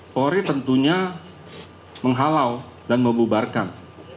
polri tentunya menghalau dan membubarkan